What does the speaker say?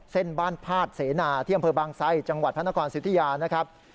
เส้นบ้านพาดเสนาที่อำเภอบางไซจังหวัดพระนครสิทธิยานะครับ